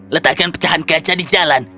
letakkan pecahan kaca di jalan